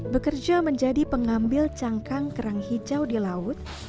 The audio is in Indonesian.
bekerja menjadi pengambil cangkang kerang hijau di laut